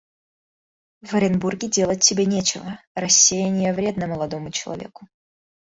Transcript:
В Оренбурге делать тебе нечего; рассеяние вредно молодому человеку.